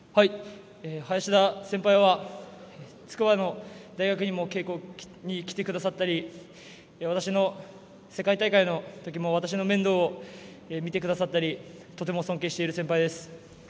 林田先輩は筑波の大学にも稽古に来てくださったり世界大会のときも私の面倒を見てくださったりとても尊敬している先輩です。